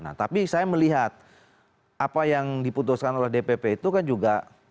nah tapi saya melihat apa yang diputuskan oleh dpp itu kan juga